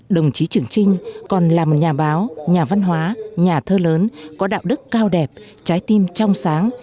đồng chí trường trinh còn là một nhà báo nhà văn hóa nhà thơ lớn có đạo đức cao đẹp trái tim trong sáng